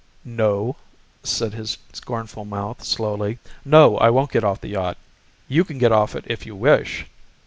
"No," said his scornful mouth slowly; "No, I won't get off the yacht. You can get off if you wish."